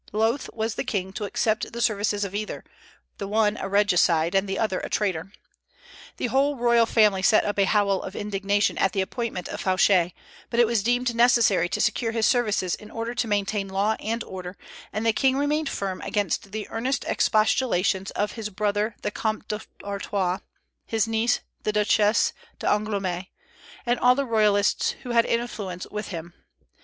Loth was the king to accept the services of either, the one a regicide, and the other a traitor. The whole royal family set up a howl of indignation at the appointment of Fouché; but it was deemed necessary to secure his services in order to maintain law and order, and the king remained firm against the earnest expostulations of his brother the Comte d'Artois, his niece the Duchesse d'Angoulême, and all the Royalists who had influence with him.